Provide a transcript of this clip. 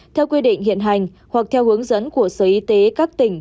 theo quy định hiện hành hoặc theo hướng dẫn của sở y tế các tỉnh